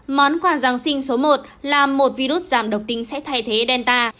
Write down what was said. món quà giáng sinh số một là một virus giảm độc tính sẽ thay thế delta